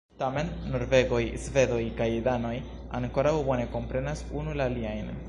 Tamen, norvegoj, svedoj kaj danoj ankoraŭ bone komprenas unu la aliajn.